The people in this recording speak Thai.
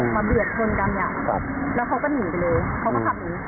เบียดชนกันเนี่ยแล้วเขาก็หนีไปเลยเขาก็ขับหนี